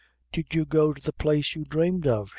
"Did you go to the place you dhramed of?"